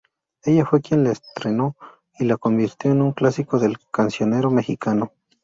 Ella fue quien la estrenó y la convirtió en un clásico del cancionero mexicano.